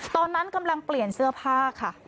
ตอนนั้นกำลังเปลี่ยนเสื้อผ้าค่ะ